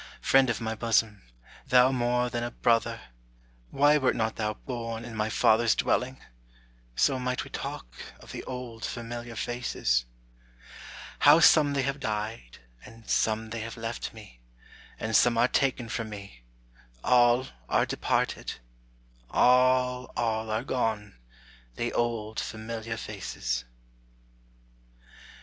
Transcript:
Friend of my bosom, thou more than a brother, Why wert not thou born in my father's dwelling? So might we talk of the old familiar faces. How some they have died, and some they have left me, And some are taken from me; all are departed; All, all are gone, the old familiar faces.